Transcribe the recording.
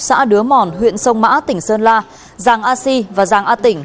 xã đứa mòn huyện sông mã tỉnh sơn la giàng a si và giàng a tỉnh